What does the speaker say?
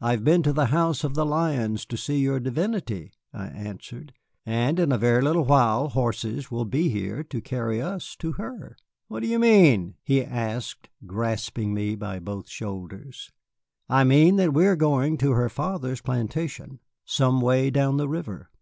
"I have been to the House of the Lions to see your divinity," I answered, "and in a very little while horses will be here to carry us to her." "What do you mean?" he asked, grasping me by both shoulders. "I mean that we are going to her father's plantation, some way down the river."